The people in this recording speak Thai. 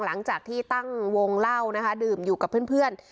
หลังจากที่ตั้งวงเล่านะคะดื่มอยู่กับเพื่อน